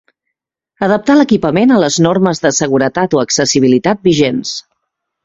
Adaptar l'equipament a les normes de seguretat o accessibilitat vigents.